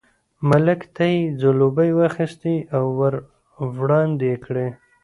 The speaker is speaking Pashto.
ملک ته یې ځلوبۍ واخیستې او ور یې وړاندې کړې.